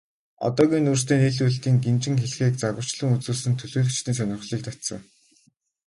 Одоогийн нүүрсний нийлүүлэлтийн гинжин хэлхээг загварчлан үзүүлсэн нь төлөөлөгчдийн сонирхлыг татсан.